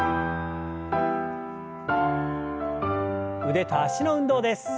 腕と脚の運動です。